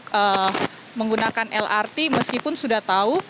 getting loser yang jelaskan perjalanan